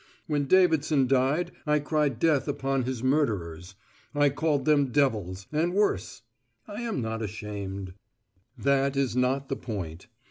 When Davidson died I cried death upon his murderers. I called them devils, and worse. I am not ashamed. That is not the point.